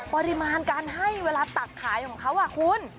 ปริมาณการให้เวลาตักขายของเขาคุณ